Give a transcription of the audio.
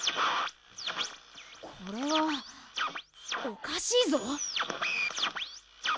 これはおかしいぞ。